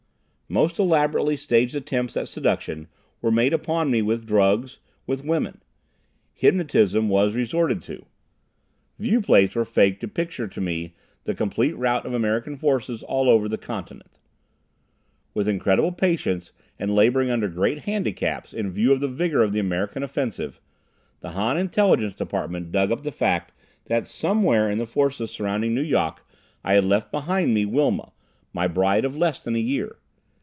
Most elaborately staged attempts at seduction were made upon me with drugs, with women. Hypnotism was resorted to. Viewplates were faked to picture to me the complete rout of American forces all over the continent. With incredible patience, and laboring under great handicaps, in view of the vigor of the American offensive, the Han intelligence department dug up the fact that somewhere in the forces surrounding Nu Yok, I had left behind me Wilma, my bride of less than a year.